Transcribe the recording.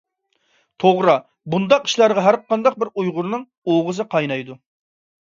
توغرا، بۇنداق ئىشلارغا ھەرقانداق بىر ئۇيغۇرنىڭ ئوغىسى قاينايدۇ.